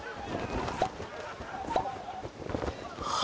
は！？